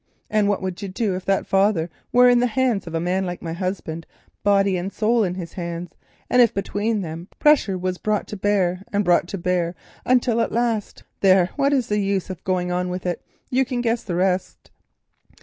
And what would you do if that father were in the hands of a man like my husband, body and soul in his hands, and if between them pressure was brought to bear, and brought to bear, until at last—there, what is the good of going on it with—you can guess the rest."